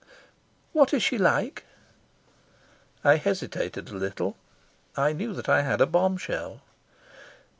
"What is she like?" I hesitated a little. I knew that I had a bombshell.